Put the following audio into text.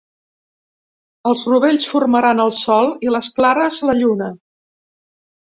Els rovells formaran el sol i les clares, la lluna.